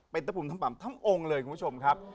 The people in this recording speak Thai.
เป็นตะปุ่มตะปำทั้งโวงเลยคุณผู้ชมครับ